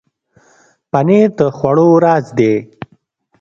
پنېر د خوړو راز دی.